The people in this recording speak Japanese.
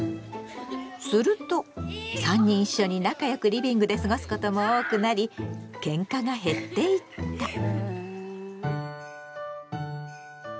すると３人一緒に仲良くリビングで過ごすことも多くなりケンカが減っていった。